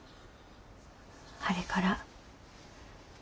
あれから。